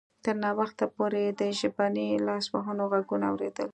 تر ناوخته پورې یې د ژبني لاسوهنو غږونه اوریدل